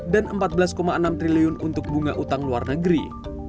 dan rp empat belas enam triliun untuk bunga utang luar negeri